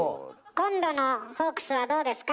今度のホークスはどうですか？